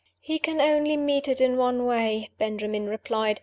"He can only meet it in one way," Benjamin replied.